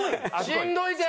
しんどいて！